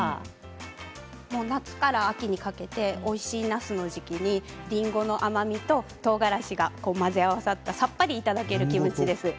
夏から秋にかけておいしいなすの時期にりんごの甘みととうがらしが混ぜ合わさったさっぱりいただけるキムチです。